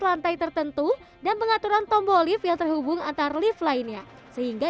lantai tertentu dan pengaturan tombol lift yang terhubung antar lift lainnya sehingga